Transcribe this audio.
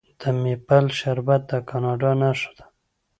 د میپل شربت د کاناډا نښه ده.